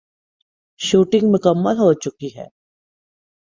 shooting مکمل ہوچکی ہے